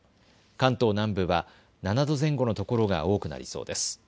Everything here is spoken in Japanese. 関東南部は７度前後のところが多くなりそうです。